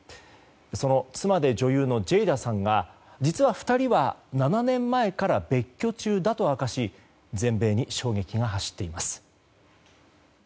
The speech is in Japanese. その妻で女優のジェイダさんが実は２人は７年前から別居中だと明かし全米に衝撃が走っています。